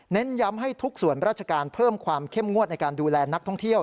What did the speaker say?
ย้ำให้ทุกส่วนราชการเพิ่มความเข้มงวดในการดูแลนักท่องเที่ยว